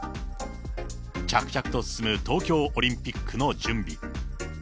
着々と進む東京オリンピックの準備。